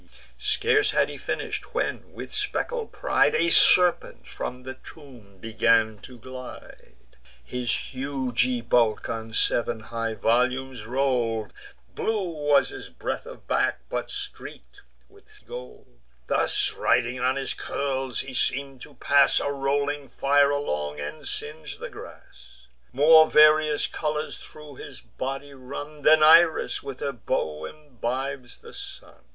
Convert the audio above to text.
Scarce had he finish'd, when, with speckled pride, A serpent from the tomb began to glide; His hugy bulk on sev'n high volumes roll'd; Blue was his breadth of back, but streak'd with scaly gold: Thus riding on his curls, he seem'd to pass A rolling fire along, and singe the grass. More various colours thro' his body run, Than Iris when her bow imbibes the sun.